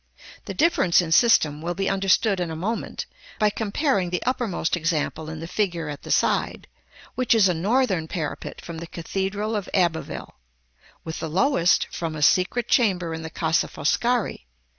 The difference in system will be understood in a moment by comparing the uppermost example in the figure at the side, which is a Northern parapet from the Cathedral of Abbeville, with the lowest, from a secret chamber in the Casa Foscari.